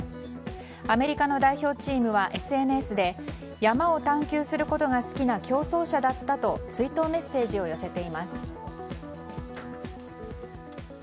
アメリカの代表チームはＳＮＳで山を探求することが好きな競争者だったと追悼メッセージを寄せています。